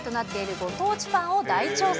ご当地パンを大調査。